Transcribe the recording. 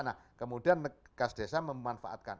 nah kemudian gas desa memanfaatkan